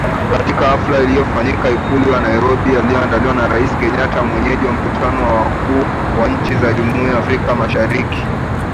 Katika hafla iliyofanyika Ikulu ya Nairobi iliyoandaliwa na Rais Kenyatta mwenyeji wa mkutano wa wakuu wa nchi za Jumuiya ya Afrika Mashiriki.